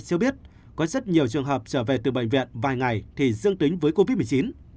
cho biết có rất nhiều trường hợp trở về từ bệnh viện vài ngày thì dương tính với covid một mươi chín